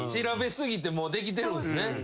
調べ過ぎてもうできてるんすね。